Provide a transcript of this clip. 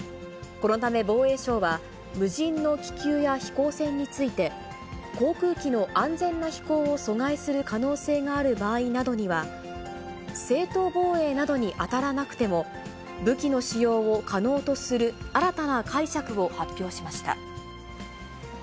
このため防衛省は、無人の気球や飛行船について、航空機の安全な飛行を阻害する可能性がある場合などには、正当防衛などに当たらなくても、武器の使用を可能とする新たな解釈を発表しました。